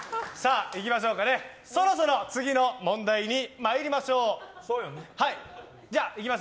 そろそろ次の問題に参りましょう。